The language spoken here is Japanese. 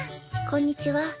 こんにちは。